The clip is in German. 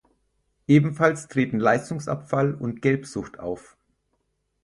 Ebenfalls treten Leistungsabfall und Gelbsucht auf.